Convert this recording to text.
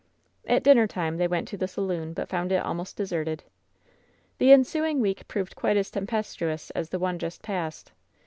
At dinner time they went to the saloon, but found it almost deserted. The ensuing week proved quite as tempestuous as the one just passed.